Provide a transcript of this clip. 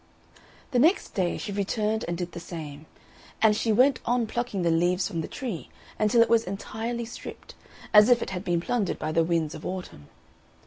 The next day she returned and did the same; and she went on plucking the leaves from the tree until it was entirely stript, as if it had been plundered by the winds of Autumn.